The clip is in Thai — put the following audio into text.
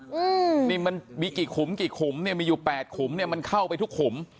อืมนี่มันมีกี่ขุมกี่ขุมเนี่ยมีอยู่แปดขุมเนี้ยมันเข้าไปทุกขุม